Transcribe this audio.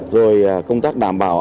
rồi công tác đảm bảo